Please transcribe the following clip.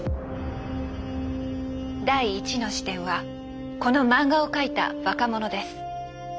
第１の視点はこの漫画を描いた若者です。